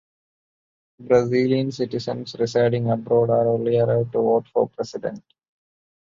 Brazilian citizens residing abroad are only allowed to vote for president.